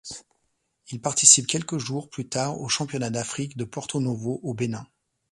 Il participe quelques jours plus tard aux Championnats d'Afrique de Porto-Novo, au Bénin.